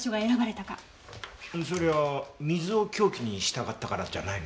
そりゃあ水を凶器にしたかったからじゃないの？